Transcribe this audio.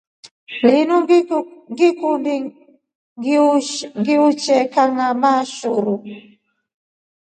Linu ngikundi kiuche kanʼgama shuru.